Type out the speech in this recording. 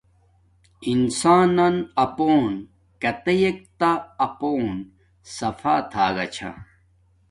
انسان نن اپون کاتیک تہ اپون صفا تھا گا چھا